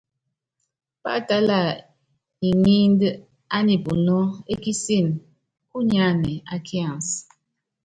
Páatála iŋíud á nupunɔ́ ékísin kúnyɛ́ anɛ á kians.